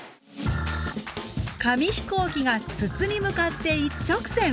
紙飛行機が筒に向かって一直線！